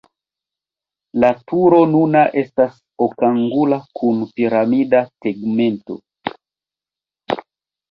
La turo nuna estas okangula kun piramida tegmento.